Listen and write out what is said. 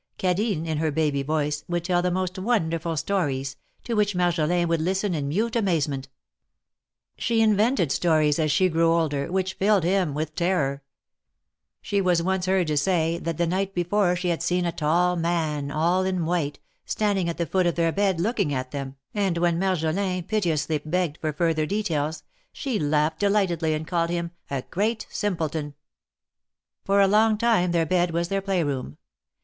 Cadine, in her baby voice, would tell the most wonderful stories, to which Marjolin would listen in mute amazement. She invented stories, as she grew older, which filled him with terror. She was once heard to say that the night before she had seen a tall man, all in white, standing at the foot of their bed looking at them, and when Marjo liii piteously begged for further details, she laughed delightedly, aud called him ^^a great simpleton." THE MARKETS OF PARIS. 185 For a long time their bed was their play room.